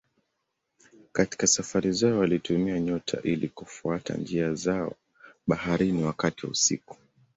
Katika safari zao walitumia nyota ili kufuata njia zao baharini wakati wa usiku.